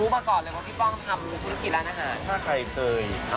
ว่าพี่ป้องทำธุรกิจร้านอาหาร